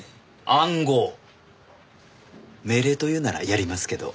命令というならやりますけど。